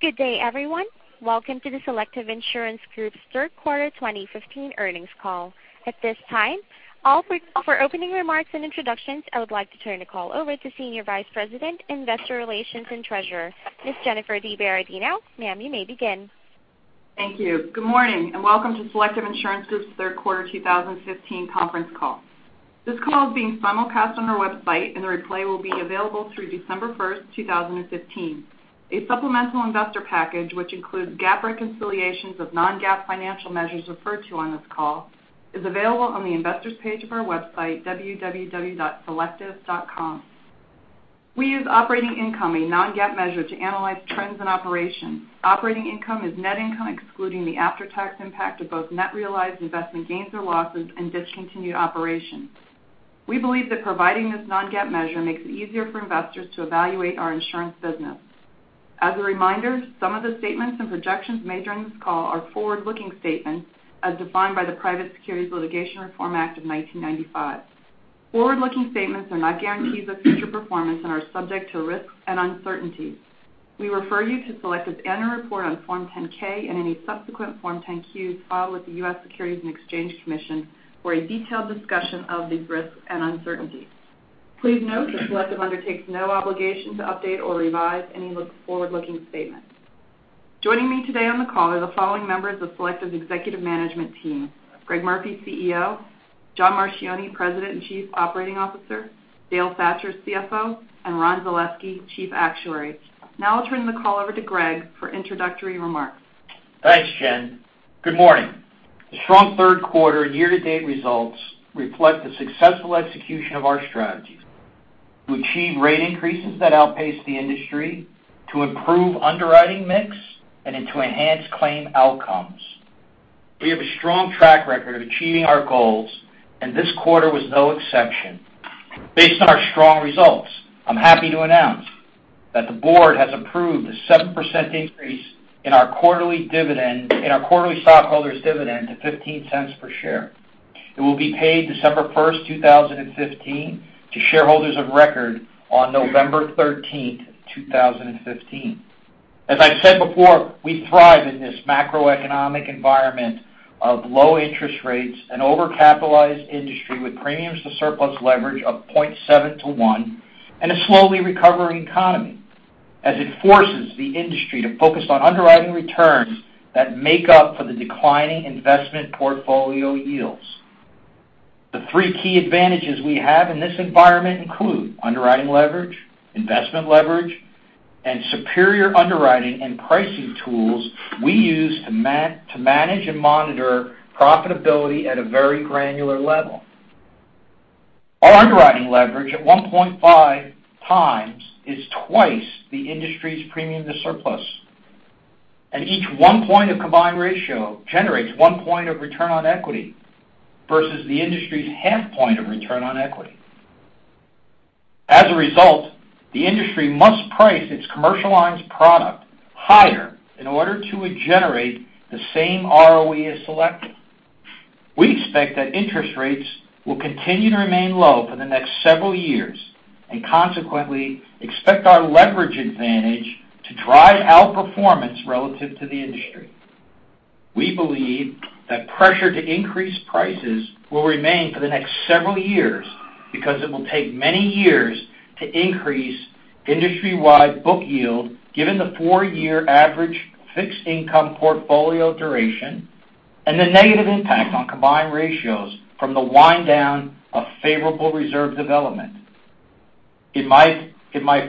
Good day, everyone. Welcome to the Selective Insurance Group's third quarter 2015 earnings call. At this time, for opening remarks and introductions, I would like to turn the call over to Senior Vice President, Investor Relations and Treasurer, Ms. Jennifer DiBerardino. Ma'am, you may begin. Thank you. Good morning, and welcome to Selective Insurance Group's third quarter 2015 conference call. This call is being simulcast on our website, and a replay will be available through December 1st, 2015. A supplemental investor package, which includes GAAP reconciliations of non-GAAP financial measures referred to on this call, is available on the investors page of our website, www.selective.com. We use operating income, a non-GAAP measure, to analyze trends and operations. Operating income is net income excluding the after-tax impact of both net realized investment gains or losses and discontinued operations. We believe that providing this non-GAAP measure makes it easier for investors to evaluate our insurance business. As a reminder, some of the statements and projections made during this call are forward-looking statements as defined by the Private Securities Litigation Reform Act of 1995. Forward-looking statements are not guarantees of future performance and are subject to risks and uncertainties. We refer you to Selective's annual report on Form 10-K and any subsequent Form 10-Qs filed with the U.S. Securities and Exchange Commission for a detailed discussion of these risks and uncertainties. Please note that Selective undertakes no obligation to update or revise any forward-looking statements. Joining me today on the call are the following members of Selective's executive management team: Greg Murphy, CEO; John Marchioni, President and Chief Operating Officer; Dale Thatcher, CFO; and Ron Zaleski, Chief Actuary. Now I'll turn the call over to Greg for introductory remarks. Thanks, Jen. Good morning. The strong third quarter year-to-date results reflect the successful execution of our strategies to achieve rate increases that outpace the industry, to improve underwriting mix, and to enhance claim outcomes. We have a strong track record of achieving our goals, and this quarter was no exception. Based on our strong results, I'm happy to announce that the board has approved a 7% increase in our quarterly stockholder's dividend to $0.15 per share. It will be paid December 1st, 2015, to shareholders of record on November 13th, 2015. As I've said before, we thrive in this macroeconomic environment of low interest rates and over-capitalized industry with premiums to surplus leverage of 0.7 to 1 and a slowly recovering economy, as it forces the industry to focus on underwriting returns that make up for the declining investment portfolio yields. The three key advantages we have in this environment include underwriting leverage, investment leverage, and superior underwriting and pricing tools we use to manage and monitor profitability at a very granular level. Our underwriting leverage at 1.5 times is twice the industry's premium to surplus. Each one point of combined ratio generates one point of return on equity versus the industry's half point of return on equity. As a result, the industry must price its Commercial Lines product higher in order to generate the same ROE as Selective. We expect that interest rates will continue to remain low for the next several years and consequently expect our leverage advantage to drive outperformance relative to the industry. We believe that pressure to increase prices will remain for the next several years because it will take many years to increase industry-wide book yield, given the four-year average fixed income portfolio duration and the negative impact on combined ratios from the wind down of favorable reserve development. In my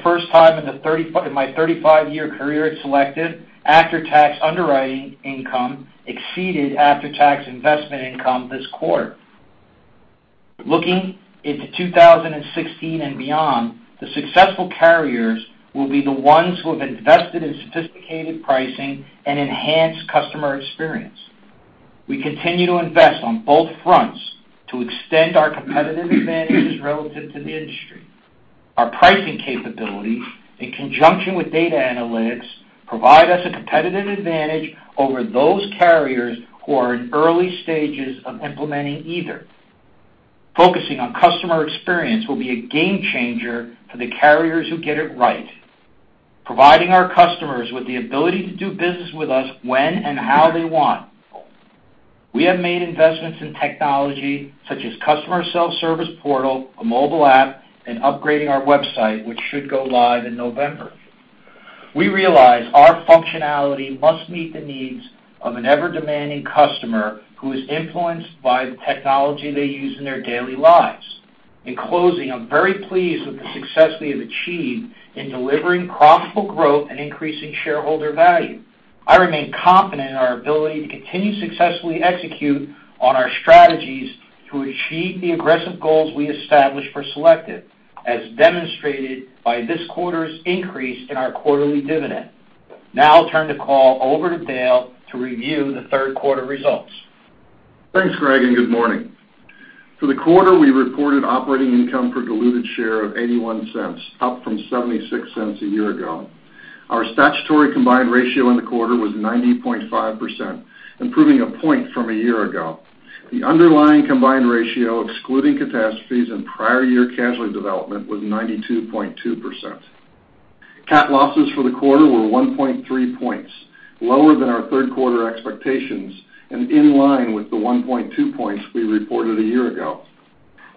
first time in my 35-year career at Selective, after-tax underwriting income exceeded after-tax investment income this quarter. Looking into 2016 and beyond, the successful carriers will be the ones who have invested in sophisticated pricing and enhanced customer experience. We continue to invest on both fronts to extend our competitive advantages relative to the industry. Our pricing capabilities, in conjunction with data analytics, provide us a competitive advantage over those carriers who are in early stages of implementing either. Focusing on customer experience will be a game changer for the carriers who get it right, providing our customers with the ability to do business with us when and how they want. We have made investments in technology such as customer self-service portal, a mobile app, and upgrading our website, which should go live in November. We realize our functionality must meet the needs of an ever-demanding customer who is influenced by the technology they use in their daily lives. In closing, I'm very pleased with the success we have achieved in delivering profitable growth and increasing shareholder value. I remain confident in our ability to continue to successfully execute on our strategies to achieve the aggressive goals we established for Selective, as demonstrated by this quarter's increase in our quarterly dividend. Now I'll turn the call over to Dale to review the third quarter results. Thanks, Greg. Good morning. For the quarter, we reported operating income per diluted share of $0.81, up from $0.76 a year ago. Our statutory combined ratio in the quarter was 90.5%, improving a point from a year ago. The underlying combined ratio, excluding catastrophes and prior year casualty development, was 92.2%. Cat losses for the quarter were 1.3 points, lower than our third quarter expectations, and in line with the 1.2 points we reported a year ago.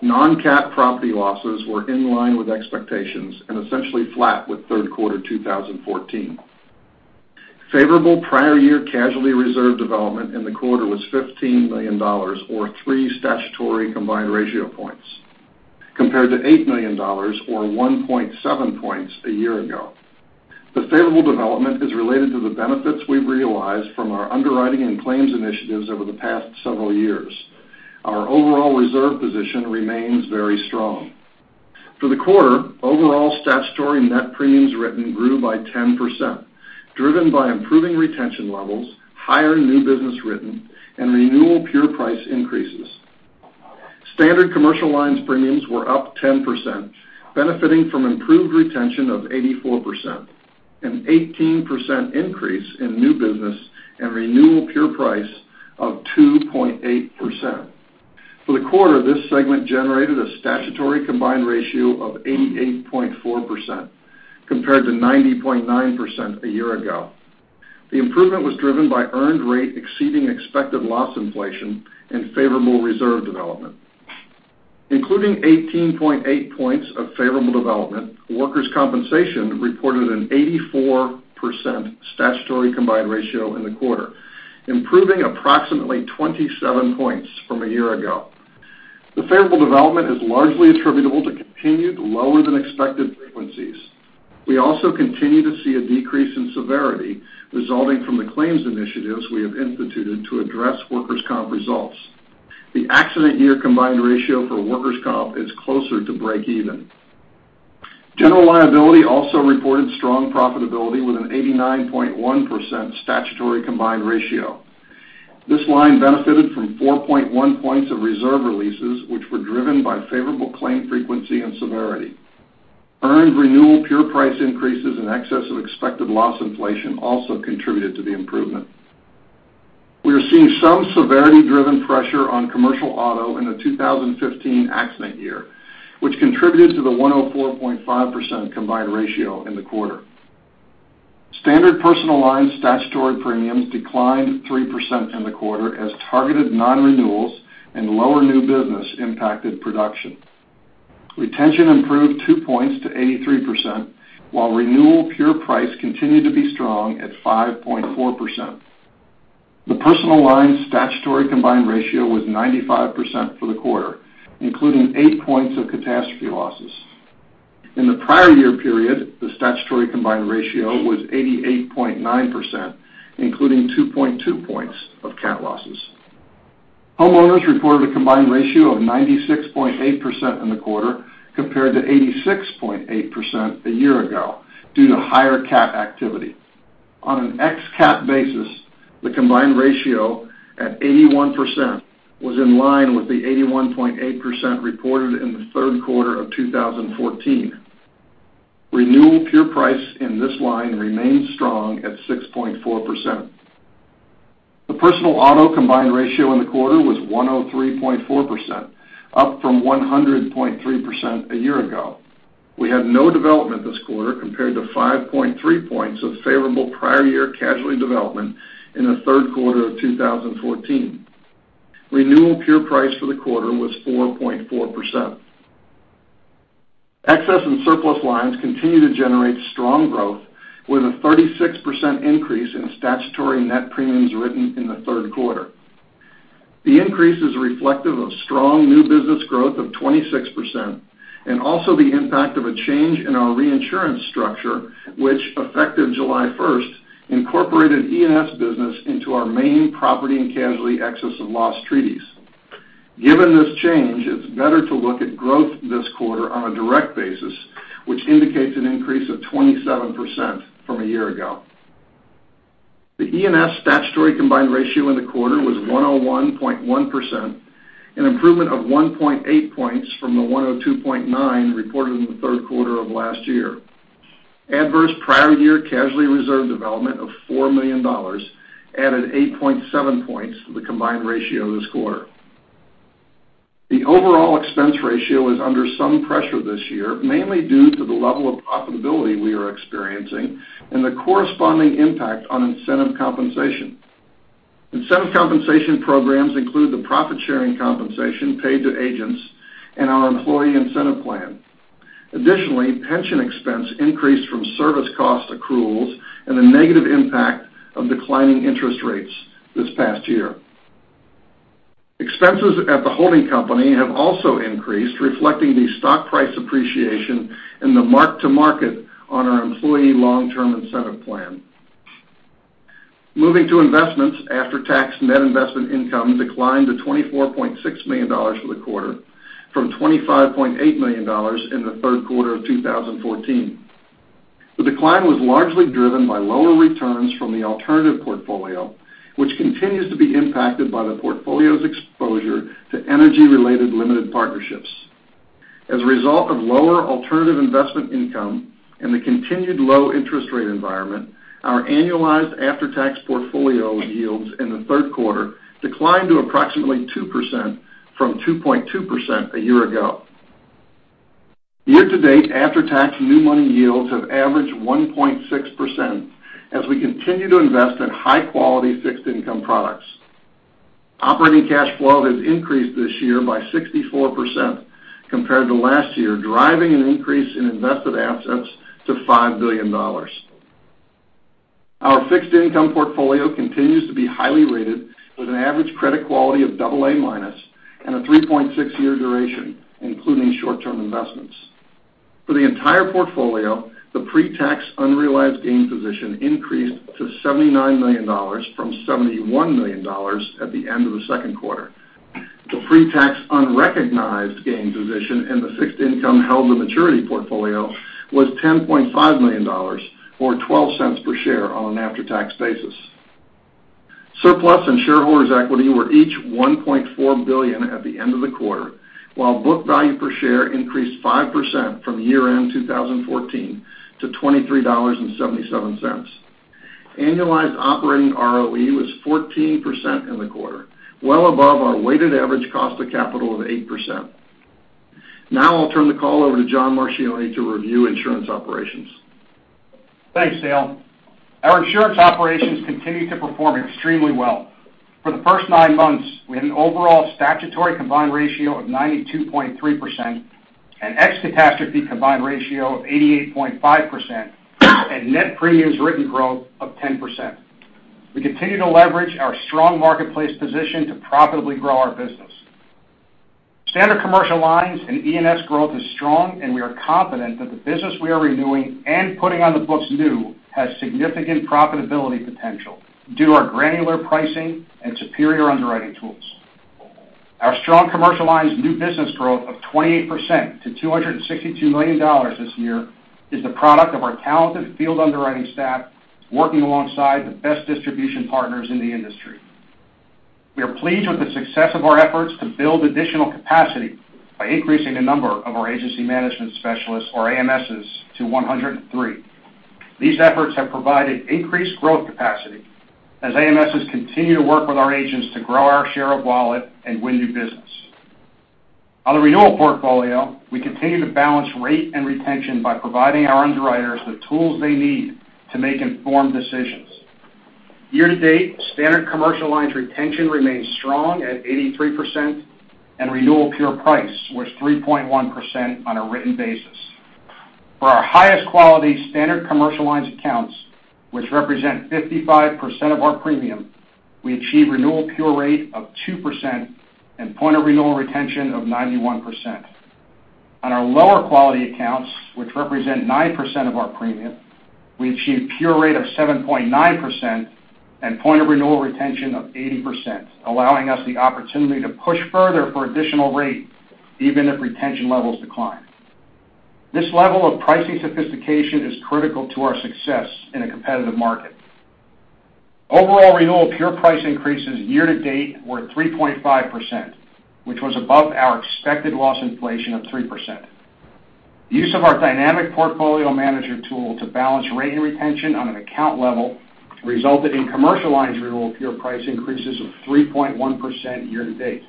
Non-cat property losses were in line with expectations and essentially flat with third quarter 2014. Favorable prior year casualty reserve development in the quarter was $15 million, or three statutory combined ratio points, compared to $8 million or 1.7 points a year ago. The favorable development is related to the benefits we've realized from our underwriting and claims initiatives over the past several years. Our overall reserve position remains very strong. For the quarter, overall statutory net premiums written grew by 10%, driven by improving retention levels, higher new business written, and renewal pure price increases. Standard Commercial Lines premiums were up 10%, benefiting from improved retention of 84%, an 18% increase in new business, and renewal pure price of 2.8%. For the quarter, this segment generated a statutory combined ratio of 88.4%, compared to 90.9% a year ago. The improvement was driven by earned rate exceeding expected loss inflation and favorable reserve development. Including 18.8 points of favorable development, Workers' Compensation reported an 84% statutory combined ratio in the quarter, improving approximately 27 points from a year ago. The favorable development is largely attributable to continued lower than expected frequencies. We also continue to see a decrease in severity, resulting from the claims initiatives we have instituted to address Workers' Comp results. The accident year combined ratio for Workers' Comp is closer to breakeven. General Liability also reported strong profitability with an 89.1% statutory combined ratio. This line benefited from 4.1 points of reserve releases, which were driven by favorable claim frequency and severity. Earned renewal pure price increases in excess of expected loss inflation also contributed to the improvement. We are seeing some severity-driven pressure on Commercial Auto in the 2015 accident year, which contributed to the 104.5% combined ratio in the quarter. Standard Personal Lines statutory premiums declined 3% in the quarter as targeted nonrenewals and lower new business impacted production. Retention improved two points to 83%, while renewal pure price continued to be strong at 5.4%. The Personal Lines statutory combined ratio was 95% for the quarter, including eight points of catastrophe losses. In the prior year period, the statutory combined ratio was 88.9%, including 2.2 points of cat losses. Homeowners reported a combined ratio of 96.8% in the quarter, compared to 86.8% a year ago due to higher cat activity. On an ex-cat basis, the combined ratio at 81% was in line with the 81.8% reported in the third quarter of 2014. Renewal pure price in this line remained strong at 6.4%. The Personal Auto combined ratio in the quarter was 103.4%, up from 100.3% a year ago. We had no development this quarter compared to 5.3 points of favorable prior year casualty development in the third quarter of 2014. Renewal pure price for the quarter was 4.4%. Excess and Surplus Lines continue to generate strong growth with a 36% increase in statutory net premiums written in the third quarter. The increase is reflective of strong new business growth of 26% and also the impact of a change in our reinsurance structure, which effective July 1st, incorporated E&S business into our main property and casualty excess of loss treaties. Given this change, it's better to look at growth this quarter on a direct basis, which indicates an increase of 27% from a year ago. The E&S statutory combined ratio in the quarter was 101.1%, an improvement of 1.8 points from the 102.9% reported in the third quarter of last year. Adverse prior year casualty reserve development of $4 million added 8.7 points to the combined ratio this quarter. The overall expense ratio is under some pressure this year, mainly due to the level of profitability we are experiencing and the corresponding impact on incentive compensation. Incentive compensation programs include the profit-sharing compensation paid to agents and our employee incentive plan. Additionally, pension expense increased from service cost accruals and the negative impact of declining interest rates this past year. Expenses at the holding company have also increased, reflecting the stock price appreciation and the mark to market on our employee long-term incentive plan. Moving to investments, after-tax net investment income declined to $24.6 million for the quarter from $25.8 million in the third quarter of 2014. The decline was largely driven by lower returns from the alternative portfolio, which continues to be impacted by the portfolio's exposure to energy-related limited partnerships. As a result of lower alternative investment income and the continued low interest rate environment, our annualized after-tax portfolio yields in the third quarter declined to approximately 2% from 2.2% a year ago. Year-to-date, after-tax new money yields have averaged 1.6% as we continue to invest in high-quality fixed income products. Operating cash flow has increased this year by 64% compared to last year, driving an increase in invested assets to $5 billion. Our fixed income portfolio continues to be highly rated with an average credit quality of AA- and a 3.6-year duration, including short-term investments. For the entire portfolio, the pre-tax unrealized gain position increased to $79 million from $71 million at the end of the second quarter. The pre-tax unrecognized gain position in the fixed income held the maturity portfolio was $10.5 million, or $0.12 per share on an after-tax basis. Surplus and shareholders' equity were each $1.4 billion at the end of the quarter, while book value per share increased 5% from year-end 2014 to $23.77. Annualized operating ROE was 14% in the quarter, well above our weighted average cost of capital of 8%. I'll turn the call over to John Marchioni to review insurance operations. Thanks, Dale. Our insurance operations continue to perform extremely well. For the first nine months, we had an overall statutory combined ratio of 92.3%, an ex-catastrophe combined ratio of 88.5%, and net premiums written growth of 10%. We continue to leverage our strong marketplace position to profitably grow our business. Standard Commercial Lines and E&S growth is strong, and we are confident that the business we are renewing and putting on the books new has significant profitability potential due to our granular pricing and superior underwriting tools. Our strong Commercial Lines new business growth of 28% to $262 million this year is the product of our talented field underwriting staff working alongside the best distribution partners in the industry. We are pleased with the success of our efforts to build additional capacity by increasing the number of our agency management specialists, or AMSs, to 103. These efforts have provided increased growth capacity as AMSs continue to work with our agents to grow our share of wallet and win new business. On the renewal portfolio, we continue to balance rate and retention by providing our underwriters the tools they need to make informed decisions. Year-to-date, Standard Commercial Lines retention remains strong at 83%, and renewal pure price was 3.1% on a written basis. For our highest quality Standard Commercial Lines accounts, which represent 55% of our premium, we achieve renewal pure rate of 2% and point of renewal retention of 91%. On our lower quality accounts, which represent 9% of our premium, we achieve pure rate of 7.9% and point of renewal retention of 80%, allowing us the opportunity to push further for additional rate even if retention levels decline. This level of pricing sophistication is critical to our success in a competitive market. Overall renewal pure price increases year-to-date were 3.5%, which was above our expected loss inflation of 3%. Use of our dynamic portfolio management tool to balance rate and retention on an account level resulted in Commercial Lines renewal pure price increases of 3.1% year-to-date.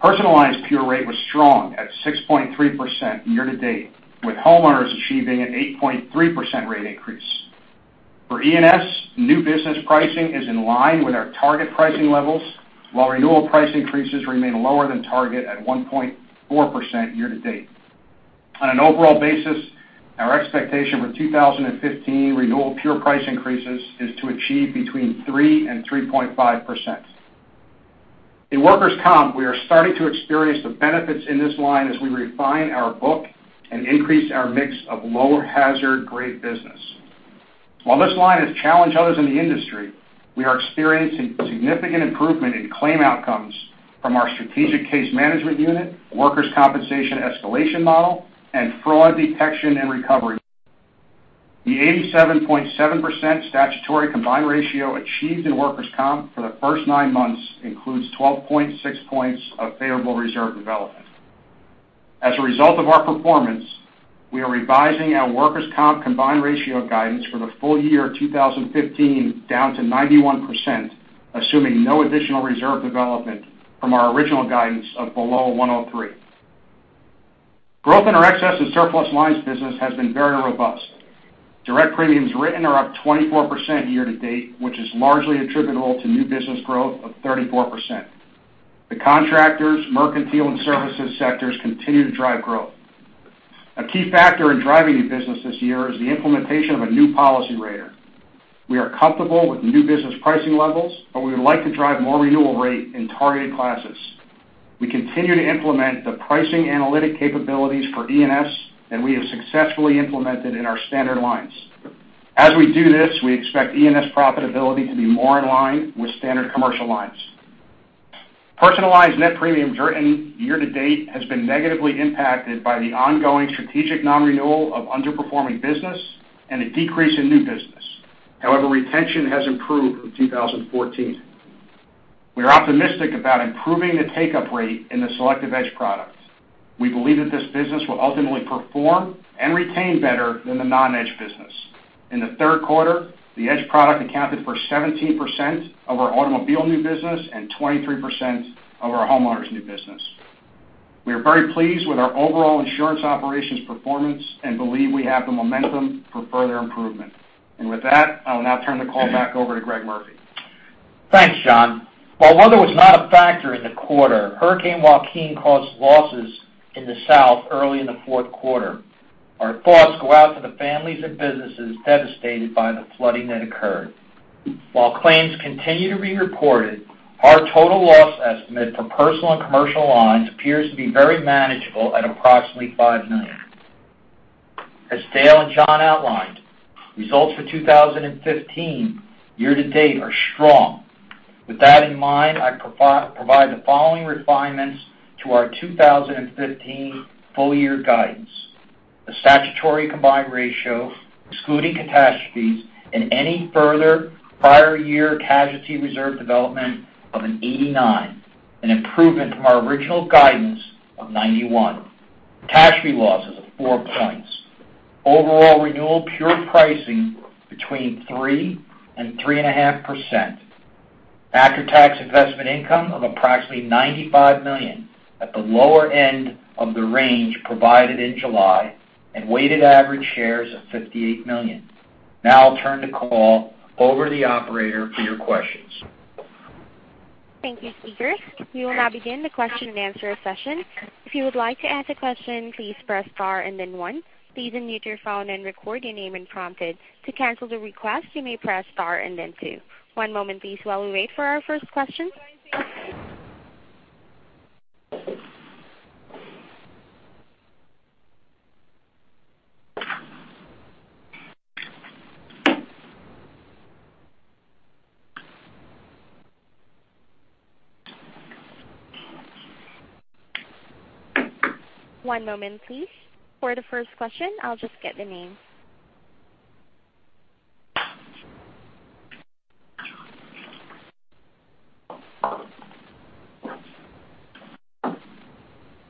Personal Lines pure rate was strong at 6.3% year-to-date, with homeowners achieving an 8.3% rate increase. For E&S, new business pricing is in line with our target pricing levels, while renewal price increases remain lower than target at 1.4% year-to-date. On an overall basis, our expectation for 2015 renewal pure price increases is to achieve between 3% and 3.5%. In Workers' Comp, we are starting to experience the benefits in this line as we refine our book and increase our mix of lower hazard grade business. While this line has challenged others in the industry, we are experiencing significant improvement in claim outcomes from our strategic case management unit, Workers' Compensation escalation model, and fraud detection and recovery. The 87.7% statutory combined ratio achieved in Workers' Comp for the first nine months includes 12.6 points of favorable reserve development. As a result of our performance, we are revising our Workers' Comp combined ratio guidance for the full year 2015 down to 91%, assuming no additional reserve development from our original guidance of below 103. Growth in our Excess and Surplus Lines business has been very robust. Direct premiums written are up 24% year-to-date, which is largely attributable to new business growth of 34%. The contractors, mercantile, and services sectors continue to drive growth. A key factor in driving new business this year is the implementation of a new policy rater. We are comfortable with new business pricing levels, but we would like to drive more renewal rate in targeted classes. We continue to implement the pricing analytic capabilities for E&S that we have successfully implemented in our Standard Commercial Lines. As we do this, we expect E&S profitability to be more in line with Standard Commercial Lines. Personal Lines net premiums written year-to-date has been negatively impacted by the ongoing strategic non-renewal of underperforming business and a decrease in new business. However, retention has improved from 2014. We are optimistic about improving the take-up rate in The Selective Edge products. We believe that this business will ultimately perform and retain better than the non-Edge business. In the third quarter, the Edge product accounted for 17% of our automobile new business and 23% of our homeowners new business. We are very pleased with our overall insurance operations performance and believe we have the momentum for further improvement. With that, I'll now turn the call back over to Greg Murphy. Thanks, John. While weather was not a factor in the quarter, Hurricane Joaquin caused losses in the south early in the fourth quarter. Our thoughts go out to the families and businesses devastated by the flooding that occurred. While claims continue to be reported, our total loss estimate for personal and commercial lines appears to be very manageable at approximately $5 million. As Dale and John outlined, results for 2015 year to date are strong. With that in mind, I provide the following refinements to our 2015 full year guidance. The statutory combined ratio, excluding catastrophes and any further prior year casualty reserve development of an 89, an improvement from our original guidance of 91. Cash fee losses of four points. Overall renewal pure pricing between 3% and 3.5%. After-tax investment income of approximately $95 million at the lower end of the range provided in July, and weighted average shares of 58 million. Now I'll turn the call over to the operator for your questions. Thank you, speakers. We will now begin the question and answer session. If you would like to ask a question, please press star and then one. Please unmute your phone and record your name when prompted. To cancel the request, you may press star and then two. One moment please while we wait for our first question. One moment, please. For the first question, I'll just get the name.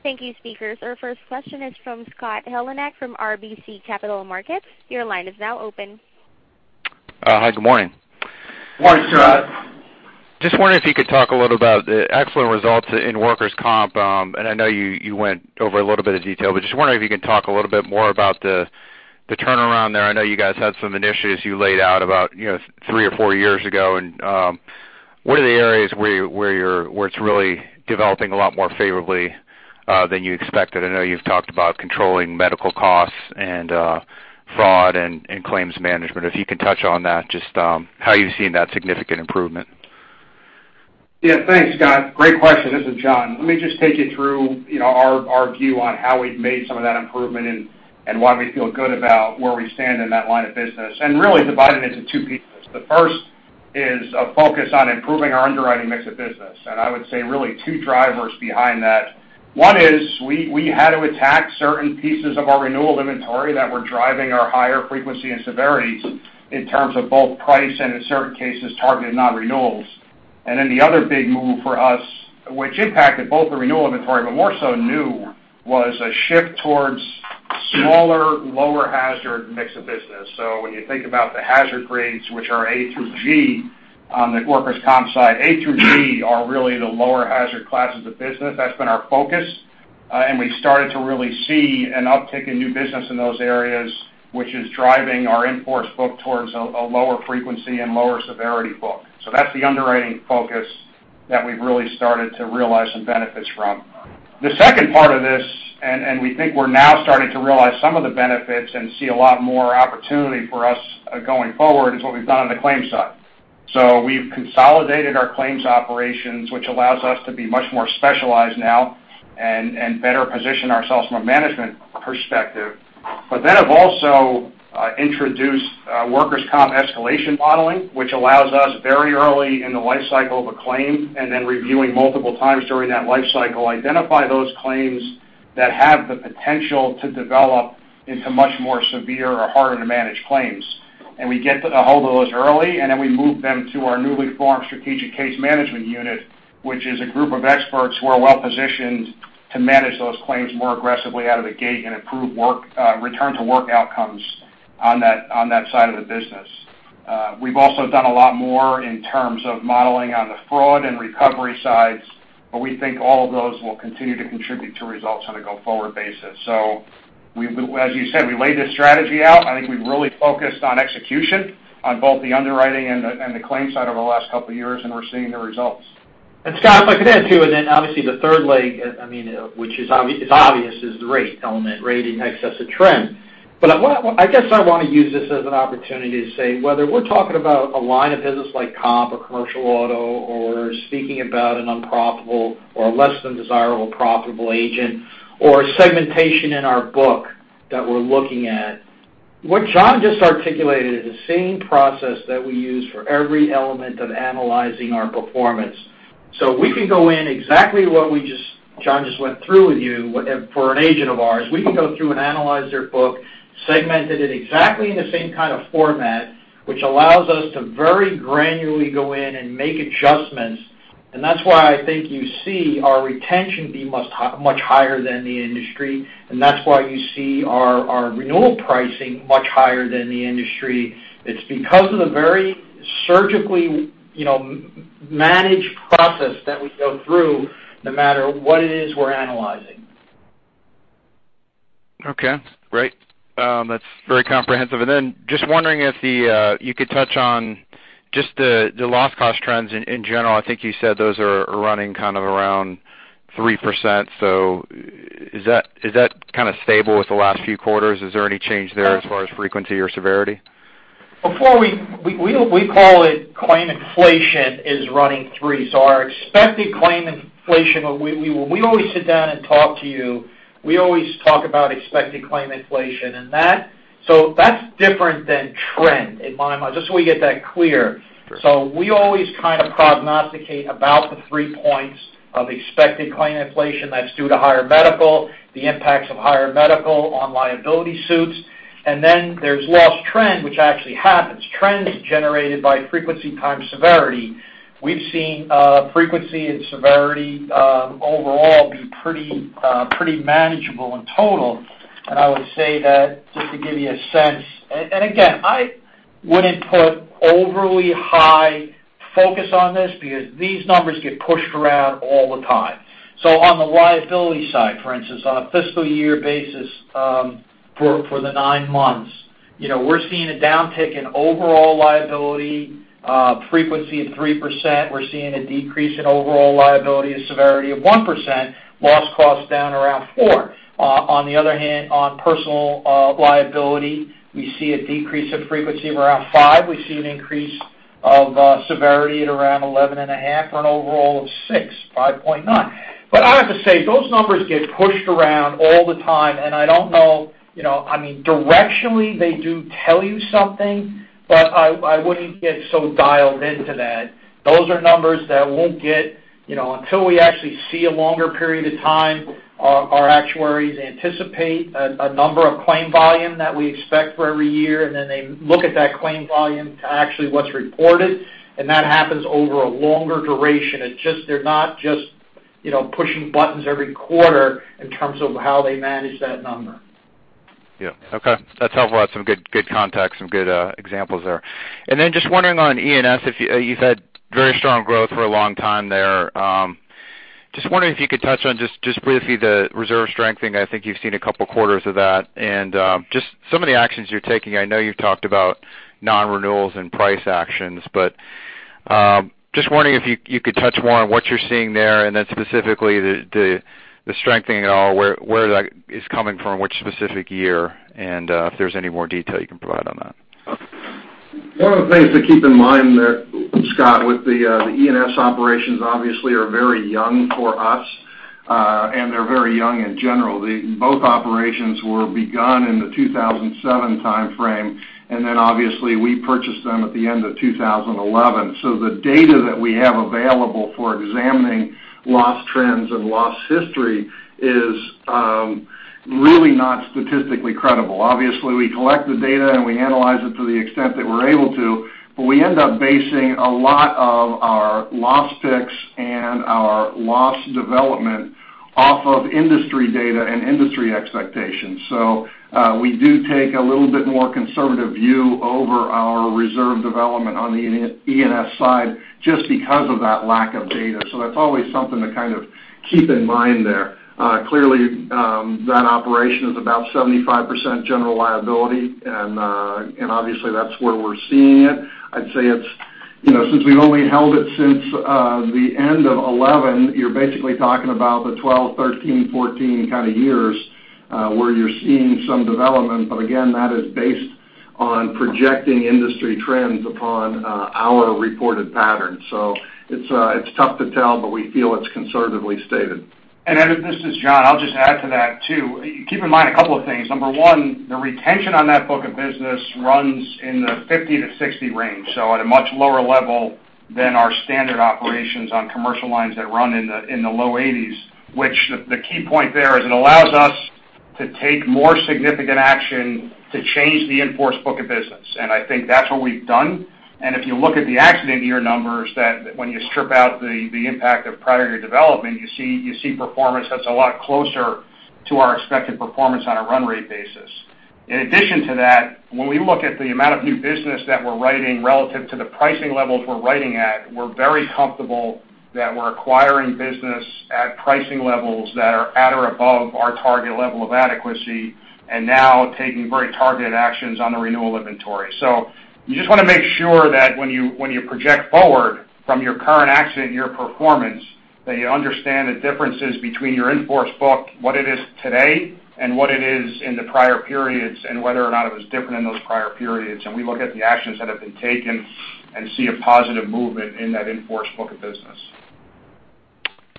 Thank you, speakers. Our first question is from Scott Heleniak from RBC Capital Markets. Your line is now open. Hi, good morning. Morning, Scott. Just wondering if you could talk a little about the excellent results in workers' comp. I know you went over a little bit of detail, but just wondering if you could talk a little bit more about the turnaround there. I know you guys had some initiatives you laid out about three or four years ago. What are the areas where it's really developing a lot more favorably than you expected? I know you've talked about controlling medical costs and fraud and claims management. If you can touch on that, just how you've seen that significant improvement. Yeah, thanks, Scott. Great question. This is John. Let me just take you through our view on how we've made some of that improvement and why we feel good about where we stand in that line of business and really divide it into two pieces. The first is a focus on improving our underwriting mix of business. I would say really two drivers behind that. One is we had to attack certain pieces of our renewal inventory that were driving our higher frequency and severities in terms of both price and in certain cases, targeted non-renewals. The other big move for us, which impacted both the renewal inventory, but more so new, was a shift towards smaller, lower hazard mix of business. When you think about the hazard grades, which are A through G on the workers' comp side, A through G are really the lower hazard classes of business. That's been our focus. We started to really see an uptick in new business in those areas, which is driving our in-force book towards a lower frequency and lower severity book. That's the underwriting focus that we've really started to realize some benefits from. The second part of this, we think we're now starting to realize some of the benefits and see a lot more opportunity for us going forward, is what we've done on the claims side. We've consolidated our claims operations, which allows us to be much more specialized now and better position ourselves from a management perspective. Have also introduced workers' comp escalation modeling, which allows us very early in the life cycle of a claim, reviewing multiple times during that life cycle, identify those claims that have the potential to develop into much more severe or harder to manage claims. We get a hold of those early, we move them to our newly formed strategic case management unit, which is a group of experts who are well-positioned to manage those claims more aggressively out of the gate and improve return to work outcomes on that side of the business. We've also done a lot more in terms of modeling on the fraud and recovery sides, we think all of those will continue to contribute to results on a go-forward basis. As you said, we laid this strategy out. I think we've really focused on execution on both the underwriting and the claims side over the last couple of years, and we're seeing the results. Scott, if I could add too, obviously the third leg, which is obvious, is the rate element, rating excess of trend. I guess I want to use this as an opportunity to say whether we're talking about a line of business like comp or Commercial Auto or speaking about an unprofitable or a less than desirable profitable agent or segmentation in our book that we're looking at, what John just articulated is the same process that we use for every element of analyzing our performance. We can go in exactly what John just went through with you for an agent of ours. We can go through and analyze their book, segment it in exactly the same kind of format, which allows us to very granularly go in and make adjustments. That's why I think you see our retention be much higher than the industry. That's why you see our renewal pricing much higher than the industry. It's because of the very surgically managed process that we go through no matter what it is we're analyzing. Okay, great. That's very comprehensive. Then just wondering if you could touch on just the loss cost trends in general. I think you said those are running kind of around 3%. Is that kind of stable with the last few quarters? Is there any change there as far as frequency or severity? We call it claim inflation, is running three. Our expected claim inflation, when we always sit down and talk to you, we always talk about expected claim inflation. That's different than trend, in my mind, just so we get that clear. Sure. We always kind of prognosticate about the three points of expected claim inflation that's due to higher medical, the impacts of higher medical on liability suits. Then there's loss trend, which actually happens. Trends generated by frequency times severity. We've seen frequency and severity, overall, be pretty manageable in total. I would say that, just to give you a sense, again, I wouldn't put overly high focus on this because these numbers get pushed around all the time. On the liability side, for instance, on a fiscal year basis, for the nine months, we're seeing a downtick in overall liability, frequency of 3%. We're seeing a decrease in overall liability, a severity of 1%, loss cost down around four. On the other hand, on personal liability, we see a decrease in frequency of around five. We see an increase of severity at around 11.5 for an overall of 6, 5.9. I have to say, those numbers get pushed around all the time, I don't know. Directionally, they do tell you something, I wouldn't get so dialed into that. Those are numbers that until we actually see a longer period of time, our actuaries anticipate a number of claim volume that we expect for every year, then they look at that claim volume to actually what's reported, that happens over a longer duration. They're not just pushing buttons every quarter in terms of how they manage that number. Yeah. Okay. That's helpful. That's some good context, some good examples there. Just wondering on E&S, you've had very strong growth for a long time there. Just wondering if you could touch on just briefly the reserve strengthening. I think you've seen a couple of quarters of that and just some of the actions you're taking. I know you've talked about non-renewals and price actions, just wondering if you could touch more on what you're seeing there then specifically the strengthening and all, where that is coming from, which specific year, if there's any more detail you can provide on that. One of the things to keep in mind there, Scott, with the E&S operations, obviously, are very young for us. They're very young in general. Both operations were begun in the 2007 timeframe, obviously we purchased them at the end of 2011. The data that we have available for examining loss trends and loss history is really not statistically credible. Obviously, we collect the data we analyze it to the extent that we're able to, we end up basing a lot of our loss picks and our loss development off of industry data and industry expectations. We do take a little bit more conservative view over our reserve development on the E&S side just because of that lack of data. That's always something to kind of keep in mind there. Clearly, that operation is about 75% General Liability, obviously that's where we're seeing it. I'd say since we've only held it since the end of 2011, you're basically talking about the 2012, 2013, 2014 kind of years, where you're seeing some development. Again, that is based on projecting industry trends upon our reported patterns. It's tough to tell, we feel it's conservatively stated. This is John. I'll just add to that, too. Keep in mind a couple of things. Number one, the retention on that book of business runs in the 50-60 range, at a much lower level than our standard operations on Commercial Lines that run in the low 80s. The key point there is it allows us to take more significant action to change the in-force book of business. I think that's what we've done. If you look at the accident year numbers, when you strip out the impact of prior year development, you see performance that's a lot closer to our expected performance on a run rate basis. In addition to that, when we look at the amount of new business that we're writing relative to the pricing levels we're writing at, we're very comfortable that we're acquiring business at pricing levels that are at or above our target level of adequacy and now taking very targeted actions on the renewal inventory. You just want to make sure that when you project forward from your current accident year performance, that you understand the differences between your in-force book, what it is today, and what it is in the prior periods, and whether or not it was different in those prior periods. We look at the actions that have been taken and see a positive movement in that in-force book of business.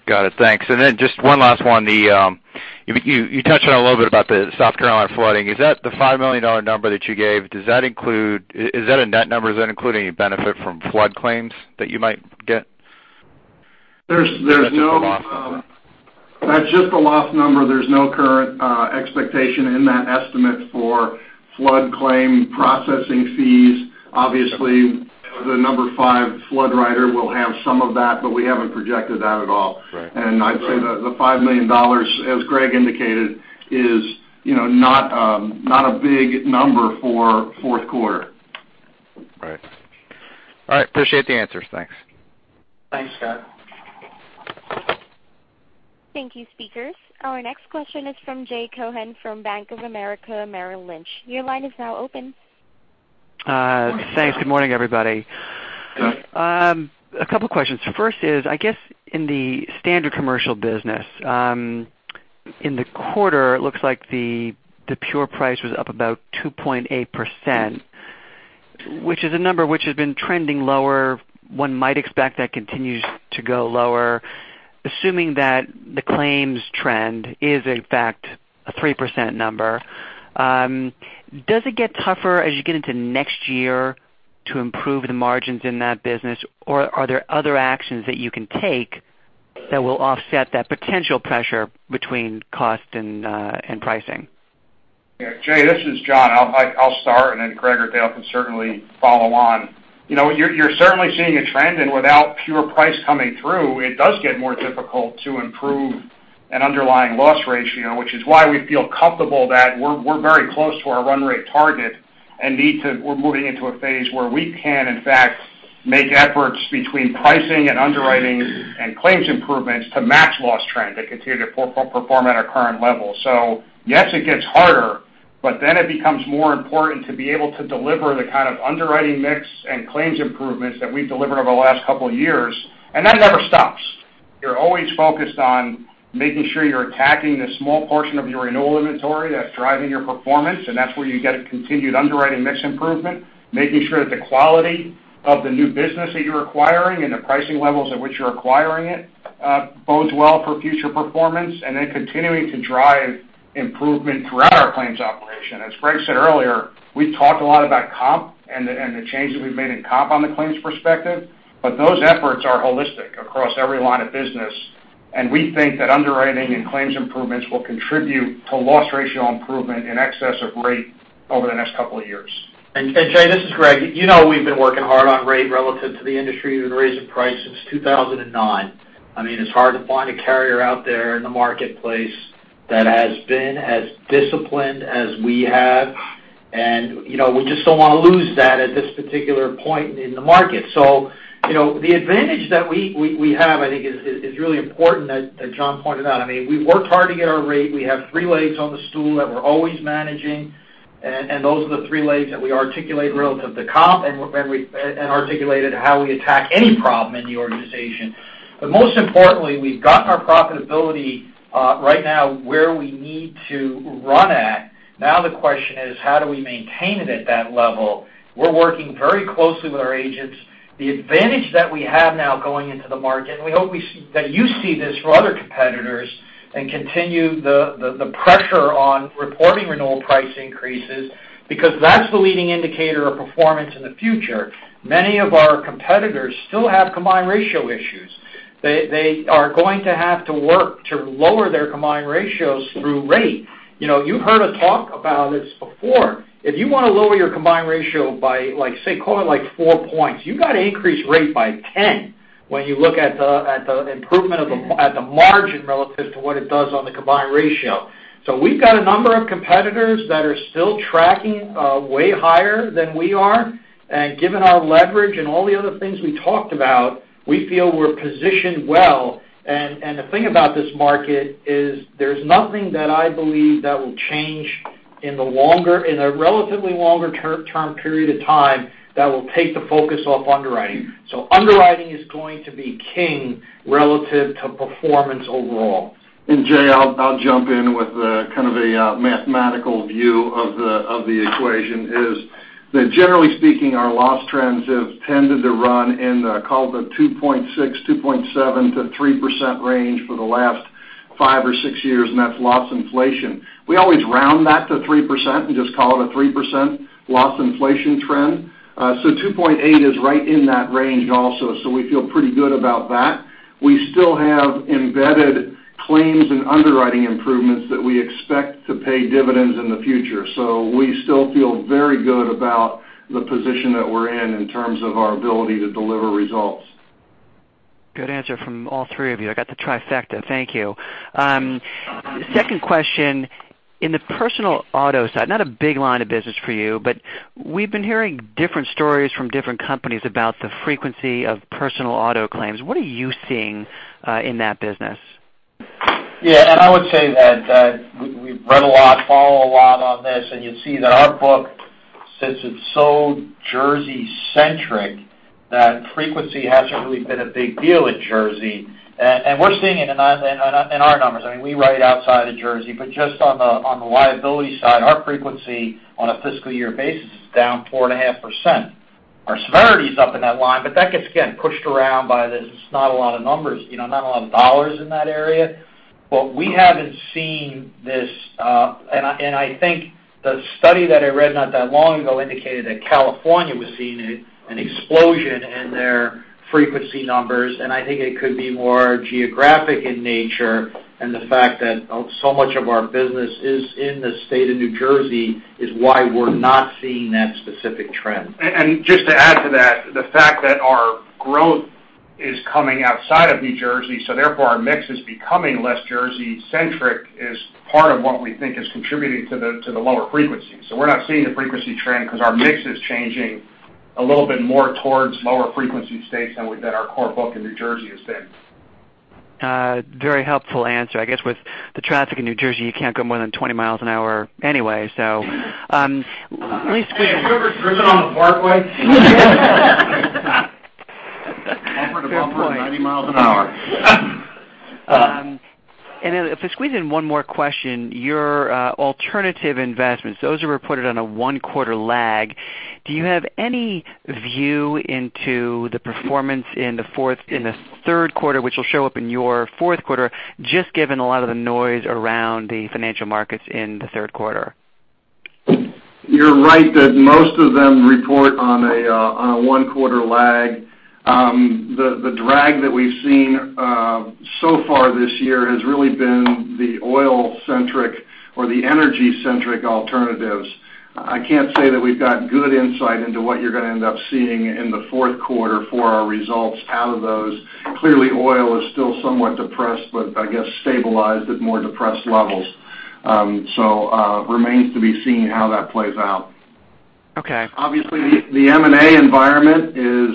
Got it, thanks. Then just one last one. You touched on a little bit about the South Carolina flooding. Is that the $5 million number that you gave, is that a net number? Does that include any benefit from flood claims that you might get? There's no- That's just a loss number. That's just a loss number. There's no current expectation in that estimate for flood claim processing fees. Obviously, the number five flood writer will have some of that, we haven't projected that at all. Right. I'd say the $5 million, as Greg indicated, is not a big number for fourth quarter. Right. All right. Appreciate the answers. Thanks. Thanks, Scott. Thank you, speakers. Our next question is from Jay Cohen from Bank of America, Merrill Lynch. Your line is now open. Thanks. Good morning, everybody. A couple questions. First is, I guess, in the Standard Commercial business, in the quarter, it looks like the pure price was up about 2.8%, which is a number which has been trending lower. One might expect that continues to go lower. Assuming that the claims trend is in fact a 3% number, does it get tougher as you get into next year to improve the margins in that business, or are there other actions that you can take that will offset that potential pressure between cost and pricing? Yeah. Jay, this is John. I will start, and then Greg or Dale can certainly follow on. You are certainly seeing a trend, and without pure price coming through, it does get more difficult to improve an underlying loss ratio, which is why we feel comfortable that we are very close to our run rate target and we are moving into a phase where we can, in fact, make efforts between pricing and underwriting and claims improvements to match loss trend and continue to perform at our current level. Yes, it gets harder, it becomes more important to be able to deliver the kind of underwriting mix and claims improvements that we have delivered over the last couple of years, and that never stops. You are always focused on making sure you are attacking the small portion of your renewal inventory that is driving your performance, that is where you get a continued underwriting mix improvement, making sure that the quality of the new business that you are acquiring and the pricing levels at which you are acquiring it bodes well for future performance, continuing to drive improvement throughout our claims operation. As Greg said earlier, we have talked a lot about comp and the change that we have made in comp on the claims perspective, those efforts are holistic across every line of business, we think that underwriting and claims improvements will contribute to loss ratio improvement in excess of rate over the next couple of years. Jay, this is Greg. You know we have been working hard on rate relative to the industry. We have been raising price since 2009. It is hard to find a carrier out there in the marketplace that has been as disciplined as we have, we just do not want to lose that at this particular point in the market. The advantage that we have, I think is really important that John pointed out. We have worked hard to get our rate. We have three legs on the stool that we are always managing, those are the three legs that we articulate relative to comp and articulated how we attack any problem in the organization. Most importantly, we have gotten our profitability right now where we need to run at. Now the question is: how do we maintain it at that level? We are working very closely with our agents. The advantage that we have now going into the market, we hope that you see this for other competitors and continue the pressure on reporting renewal price increases, because that is the leading indicator of performance in the future. Many of our competitors still have combined ratio issues. They are going to have to work to lower their combined ratios through rate. You have heard us talk about this before. If you want to lower your combined ratio by, say, call it 4 points, you have got to increase rate by 10 when you look at the improvement at the margin relative to what it does on the combined ratio. We have got a number of competitors that are still tracking way higher than we are. Given our leverage and all the other things we talked about, we feel we are positioned well. The thing about this market is there's nothing that I believe that will change in the relatively longer-term period of time that will take the focus off underwriting. Underwriting is going to be king relative to performance overall. Jay, I'll jump in with kind of a mathematical view of the equation is that generally speaking, our loss trends have tended to run in the, call it the 2.6, 2.7 to 3% range for the last five or six years, and that's loss inflation. We always round that to 3% and just call it a 3% loss inflation trend. 2.8 is right in that range also. We feel pretty good about that. We still have embedded claims and underwriting improvements that we expect to pay dividends in the future. We still feel very good about the position that we're in terms of our ability to deliver results. Good answer from all three of you. I got the trifecta. Thank you. Second question, in the personal auto side, not a big line of business for you, we've been hearing different stories from different companies about the frequency of personal auto claims. What are you seeing in that business? Yeah, I would say that we read a lot, follow a lot on this, you'll see that our book, since it's so Jersey centric, that frequency hasn't really been a big deal in Jersey. We're seeing it in our numbers. We write outside of Jersey, just on the liability side, our frequency on a fiscal year basis is down 4.5%. Our severity is up in that line, that gets, again, pushed around by this. It's not a lot of numbers, not a lot of dollars in that area. Well, we haven't seen this. I think the study that I read not that long ago indicated that California was seeing an explosion in their frequency numbers, I think it could be more geographic in nature. The fact that so much of our business is in the state of New Jersey is why we're not seeing that specific trend. Just to add to that, the fact that our growth is coming outside of New Jersey, therefore our mix is becoming less Jersey-centric, is part of what we think is contributing to the lower frequency. We're not seeing the frequency trend because our mix is changing a little bit more towards lower frequency states than our core book in New Jersey has been. Very helpful answer. I guess with the traffic in New Jersey, you can't go more than 20 miles an hour anyway. Let me squeeze in- Have you ever driven on the Parkway? Bumper to bumper, 90 miles an hour. If I squeeze in one more question, your alternative investments, those are reported on a one-quarter lag. Do you have any view into the performance in the third quarter, which will show up in your fourth quarter, just given a lot of the noise around the financial markets in the third quarter? You're right that most of them report on a one-quarter lag. The drag that we've seen so far this year has really been the oil-centric or the energy-centric alternatives. I can't say that we've got good insight into what you're going to end up seeing in the fourth quarter for our results out of those. Clearly, oil is still somewhat depressed, but I guess stabilized at more depressed levels. Remains to be seen how that plays out. Okay. Obviously, the M&A environment is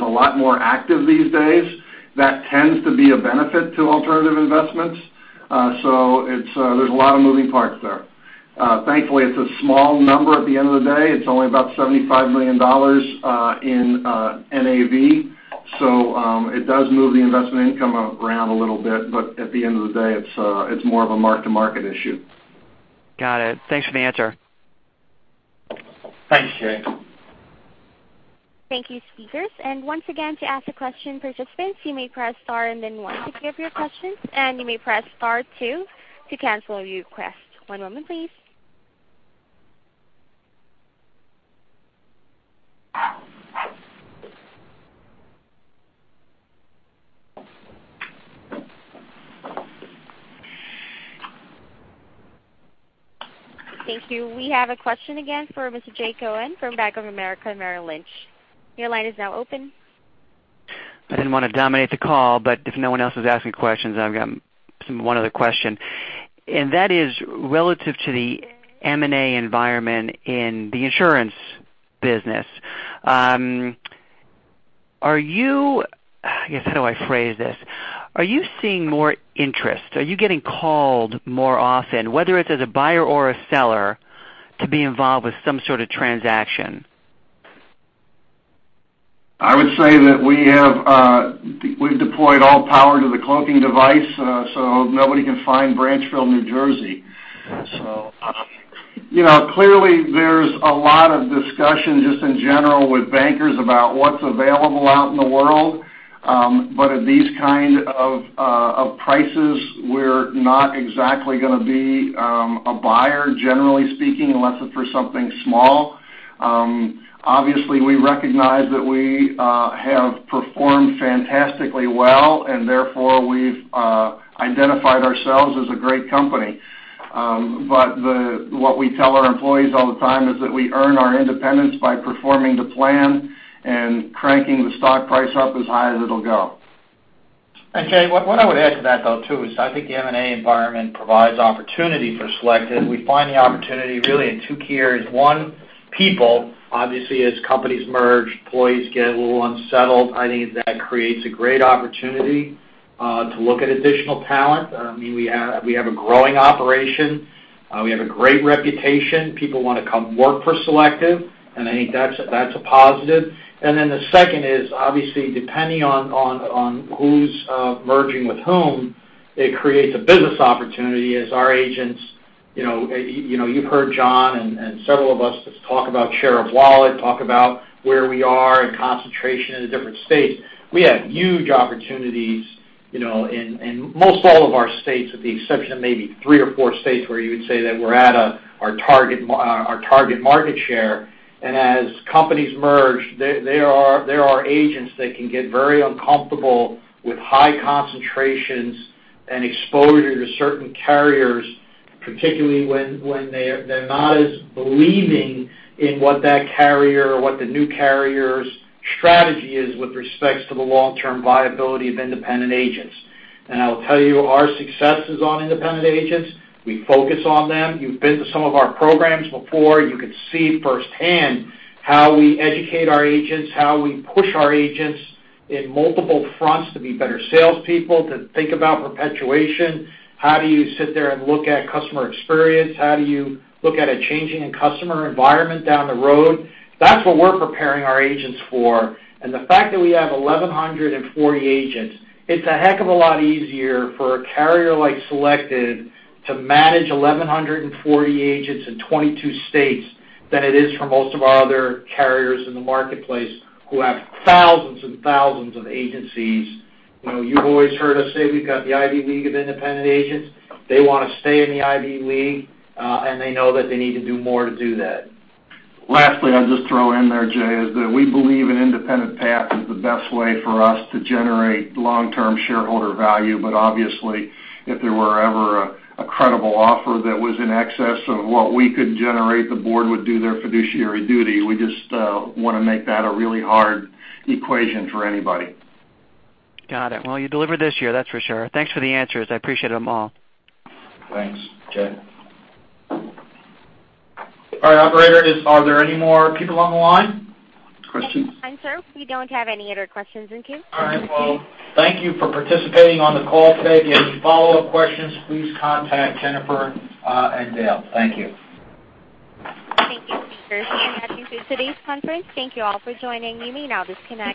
a lot more active these days. That tends to be a benefit to alternative investments. There's a lot of moving parts there. Thankfully, it's a small number at the end of the day. It's only about $75 million in NAV. It does move the investment income around a little bit, but at the end of the day, it's more of a mark-to-market issue. Got it. Thanks for the answer. Thanks, Jay. Thank you, speakers. Once again, to ask a question, participants, you may press star and then one to give your questions, and you may press star two to cancel your request. One moment, please. Thank you. We have a question again for Mr. Jay Cohen from Bank of America Merrill Lynch. Your line is now open. I didn't want to dominate the call, if no one else is asking questions, I've got one other question. That is relative to the M&A environment in the insurance business. I guess, how do I phrase this? Are you seeing more interest? Are you getting called more often, whether it's as a buyer or a seller, to be involved with some sort of transaction? I would say that we've deployed all power to the cloaking device, nobody can find Branchville, New Jersey. Clearly, there's a lot of discussion just in general with bankers about what's available out in the world. At these kind of prices, we're not exactly going to be a buyer, generally speaking, unless it's for something small. Obviously, we recognize that we have performed fantastically well, and therefore we've identified ourselves as a great company. What we tell our employees all the time is that we earn our independence by performing the plan and cranking the stock price up as high as it'll go. Jay, what I would add to that, though, too, is I think the M&A environment provides opportunity for Selective. We find the opportunity really in 2 key areas. One, people. Obviously, as companies merge, employees get a little unsettled. I think that creates a great opportunity to look at additional talent. We have a growing operation. We have a great reputation. People want to come work for Selective, and I think that's a positive. Then the second is, obviously, depending on who's merging with whom, it creates a business opportunity as our agents. You've heard John and several of us talk about share of wallet, talk about where we are in concentration in the different states. We have huge opportunities in most all of our states, with the exception of maybe 3 or 4 states where you would say that we're at our target market share. As companies merge, there are agents that can get very uncomfortable with high concentrations and exposure to certain carriers, particularly when they're not as believing in what that carrier or what the new carrier's strategy is with respect to the long-term viability of independent agents. I'll tell you, our success is on independent agents. We focus on them. You've been to some of our programs before. You can see firsthand how we educate our agents, how we push our agents in multiple fronts to be better salespeople, to think about perpetuation. How do you sit there and look at customer experience? How do you look at a changing customer environment down the road? That's what we're preparing our agents for. The fact that we have 1,140 agents, it's a heck of a lot easier for a carrier like Selective to manage 1,140 agents in 22 states than it is for most of our other carriers in the marketplace who have thousands and thousands of agencies. You've always heard us say we've got the Ivy League of independent agents. They want to stay in the Ivy League, and they know that they need to do more to do that. Lastly, I'll just throw in there, Jay, is that we believe an independent path is the best way for us to generate long-term shareholder value. Obviously, if there were ever a credible offer that was in excess of what we could generate, the board would do their fiduciary duty. We just want to make that a really hard equation for anybody. Got it. Well, you delivered this year, that's for sure. Thanks for the answers. I appreciate them all. Thanks, Jay. All right, operator, are there any more people on the line? Yes, sir. We don't have any other questions in queue. All right. Well, thank you for participating on the call today. If you have any follow-up questions, please contact Jennifer and Dale. Thank you. Thank you, speakers. That concludes today's conference. Thank you all for joining. You may now disconnect.